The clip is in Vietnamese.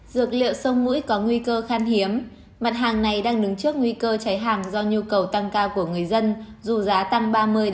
dược liệu sông mũi có nguy cơ khan hiếm mặt hàng này đang đứng trước nguy cơ cháy hàng do nhu cầu tăng cao của người dân dù giá tăng ba mươi